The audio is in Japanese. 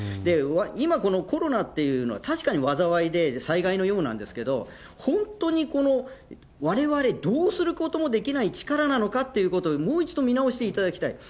今、このコロナっていうのは、確かに災いで、災害のようなんですけれども、本当にわれわれどうすることもできない力なのかということ、もう一度見直していただきたい。